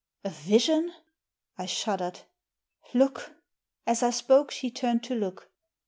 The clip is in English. " A vision ?" I shuddered. « Look !" As I spoke she turned to look.